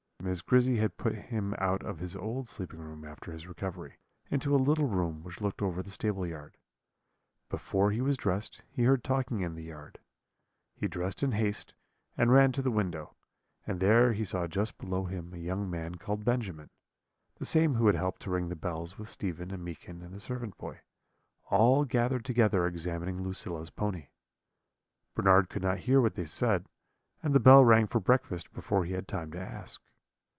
"Miss Grizzy had put him out of his old sleeping room after his recovery, into a little room which looked over the stable yard. Before he was dressed he heard talking in the yard. He dressed in haste, and ran to the window, and there he saw just below him a young man called Benjamin, the same who had helped to ring the bells with Stephen and Meekin and the servant boy all gathered together examining Lucilla's pony. Bernard could not hear what they said, and the bell rang for breakfast before he had time to ask.